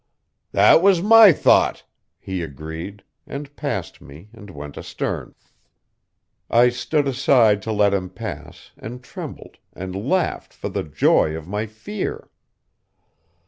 "'That was my thought,' he agreed, and passed me, and went astern. I stood aside to let him pass, and trembled, and laughed for the joy of my fear.